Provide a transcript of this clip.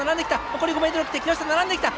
残り５ｍを切って木下並んできた！